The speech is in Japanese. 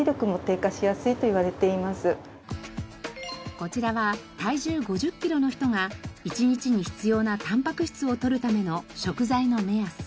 こちらは体重５０キロの人が１日に必要なタンパク質をとるための食材の目安。